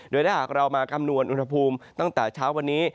โดยถ้าหากเรามาคำนวณอุณหภูมิตั้งแต่เช้าวันนี้